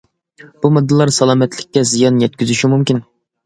بۇ ماددىلار سالامەتلىككە زىيان يەتكۈزۈشى مۇمكىن.